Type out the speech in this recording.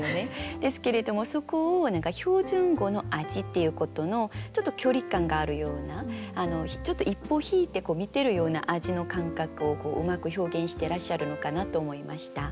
ですけれどもそこを何か「標準語の味」っていうことのちょっと距離感があるようなちょっと一歩引いて見てるような味の感覚をうまく表現してらっしゃるのかなと思いました。